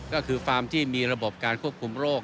ก็คือฟาร์มที่มีระบบการควบคุมโรค